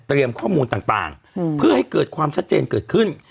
ข้อมูลต่างเพื่อให้เกิดความชัดเจนเกิดขึ้น